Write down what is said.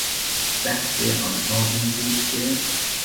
بحث آنها این بود که...